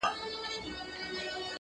پوليس د کور ځيني وسايل له ځان سره وړي,